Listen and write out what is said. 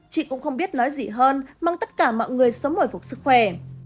chị cũng không biết nói gì hơn mong tất cả mọi người sống mỗi phục sức khỏe